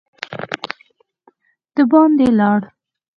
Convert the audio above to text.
د باندي لاړ.